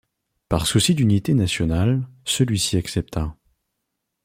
Par souci d'unité nationale, celui-ci accepta.